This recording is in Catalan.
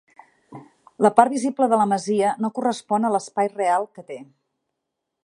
La part visible de la masia no correspon a l'espai real que té.